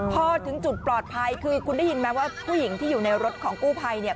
พอถึงจุดปลอดภัยคือคุณได้ยินไหมว่าผู้หญิงที่อยู่ในรถของกู้ภัยเนี่ย